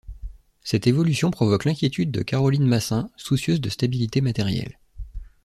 Cette évolution provoque l’inquiétude de Caroline Massin, soucieuse de stabilité matérielle.